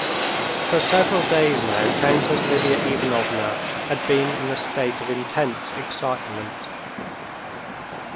For several days now Countess Lidia Ivanovna had been in a state of intense excitement.